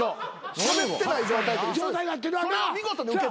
しゃべってない状態と一緒です。